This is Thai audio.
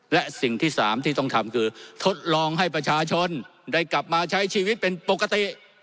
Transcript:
และสิ่งที่สามที่ต้องทำคือทดลองให้ประชาชนได้กลับมาใช้ชีวิตเป็นปกติ